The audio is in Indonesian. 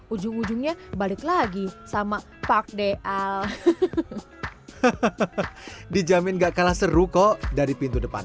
ujung ujungnya balik lagi sama pak dl hahaha dijamin gak kalah seru kok dari pintu depan